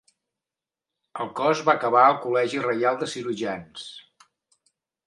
El cos va acabar al Col·legi Reial de Cirurgians.